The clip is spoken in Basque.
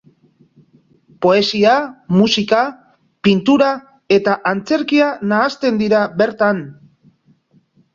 Poesia, musika, pintura eta antzerkia nahasten dira bertan.